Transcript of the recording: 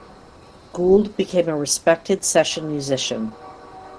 Gould became a respected session musician.